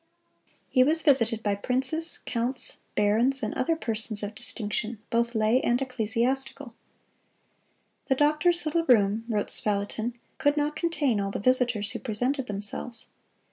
He was visited by princes, counts, barons, and other persons of distinction, both lay and ecclesiastical. "The doctor's little room," wrote Spalatin, "could not contain all the visitors who presented themselves."